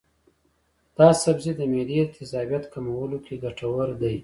دا سبزی د معدې د تیزابیت کمولو کې ګټور دی.